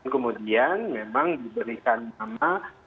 kemudian memang diberikan nama